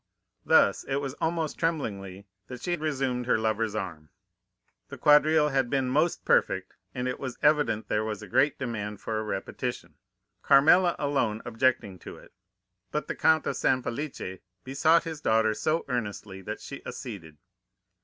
Thus, it was almost tremblingly that she resumed her lover's arm. The quadrille had been most perfect, and it was evident there was a great demand for a repetition, Carmela alone objecting to it, but the Count of San Felice besought his daughter so earnestly, that she acceded.